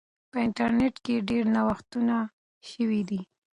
په انټرنیټ کې ډیر نوښتونه سوي دي.